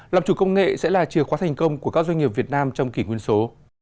làm chủ công nghệ sẽ là chìa khóa thành công của các doanh nghiệp việt nam trong kỷ nguyên số